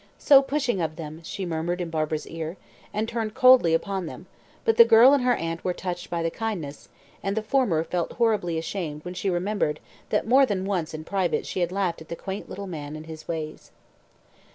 "So pushing of them," she murmured in Barbara's ear, and turned coldly upon them; but the girl and her aunt were touched by the kindness, and the former felt horribly ashamed when she remembered that more than once in private she had laughed at the quaint little man and his ways.